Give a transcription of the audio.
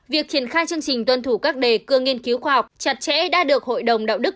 việc triển khai chương trình tuân thủ các đề cương nghiên cứu khoa học chặt chẽ đã được hội đồng đạo đức